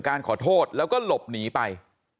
ขอโทษแล้วก็หลบหนีไป